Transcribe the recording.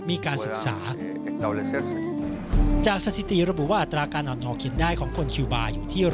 มีการศึกษา